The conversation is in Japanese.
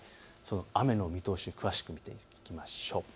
雨の見通しを詳しく見ていきましょう。